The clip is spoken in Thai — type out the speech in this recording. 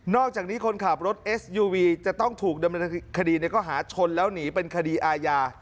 นอกจากนี้คนขับรถเอสยูวีจะต้องถูกในก็หาชนแล้วหนีเป็นคดีอายา